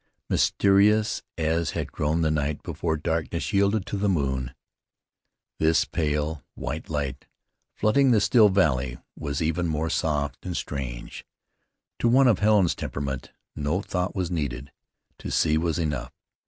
Mysterious as had grown the night before darkness yielded to the moon, this pale, white light flooding the still valley, was even more soft and strange. To one of Helen's temperament no thought was needed; to see was enough.